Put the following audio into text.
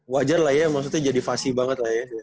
wajar lah ya maksudnya jadi fasi banget lah ya